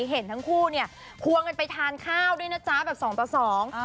เห็นทั้งคู่เนี่ยควงกันไปทานข้าวด้วยนะจ๊ะแบบสองต่อสอง